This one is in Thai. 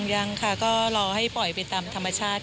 ยังค่ะก็รอให้ปล่อยไปตามธรรมชาติ